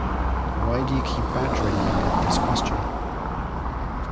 Why do you keep badgering me with this question?